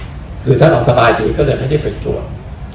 โดยที่คือถ้าเราสบายดีก็เลยไม่ได้เปิดขึ้น